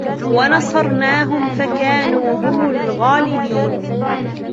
وَنَصَرْنَاهُمْ فَكَانُوا هُمُ الْغَالِبِينَ